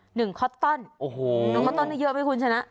หนึ่งคอตตันโอ้โหหนึ่งคอต้อนได้เยอะไหมคุณชนะ